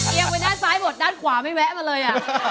เอียงไปแนบซ้ายจัดขวามี้แวะมาเลย